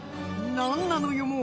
「何なのよ